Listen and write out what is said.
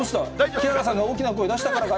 木原さんが大きな声出したからかい。